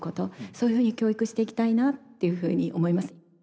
そういうふうに教育していきたいなっていうふうに思います。